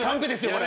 これ。